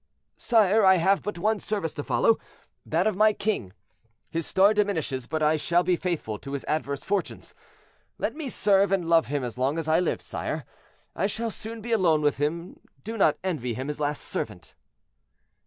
"Sire, I have but one service to follow—that of my king. His star diminishes, but I shall be faithful to his adverse fortunes. Let me serve and love him as long as I live, sire. I shall soon be alone with him; do not envy him his last servant."